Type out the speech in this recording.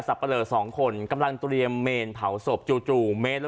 สัปละเลอะ๒คนกำลังเตรียมเมนเผาศพจู่